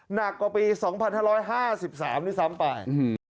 หนักกว่าปี๒๕๕๓ด้วยซ้ำไป